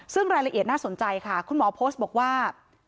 ซึ่งรายละเอียดน่าสนใจค่ะคุณหมอโพสต์บอกว่า